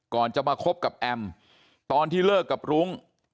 ก่อนจะมาคบกับแอมตอนที่เลิกกับรุ้ง